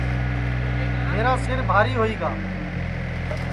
میرا سِر بھاری ہوئی گا